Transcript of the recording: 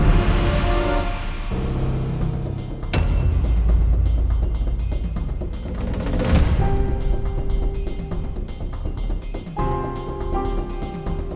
itu tanpa cinta